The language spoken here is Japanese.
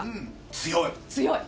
強い。